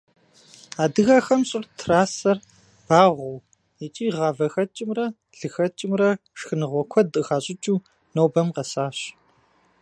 Адыгэхэм щӀым трасэр багъуэу иӀки гъавэ хэкӀымрэ лы хэкӀымрэ шхыныгъуэ куэд къыхащӀыкӀыу нобэм къэсащ.